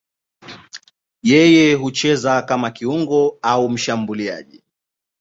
Yeye hucheza kama kiungo au mshambuliaji.